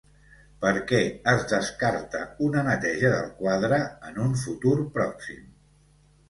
Per què es descarta una neteja del quadre en un futur pròxim?